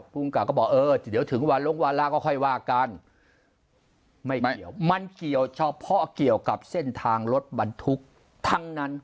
ภูมิกับก็บอกเออเดี๋ยวถึงวันลงวาระก็ค่อยว่ากันไม่เกี่ยวมันเกี่ยวเฉพาะเกี่ยวกับเส้นทางรถบรรทุกทั้งนั้น